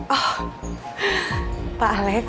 oh pak alex